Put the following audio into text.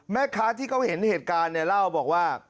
แม่ค้าที่เขาเห็นเหตุการณ์เนี่ยเล่าบอกว่า